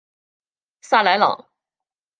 萨莱朗。